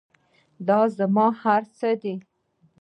دا زموږ هر څه دی؟